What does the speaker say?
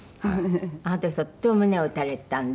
あの時とっても胸を打たれたんで。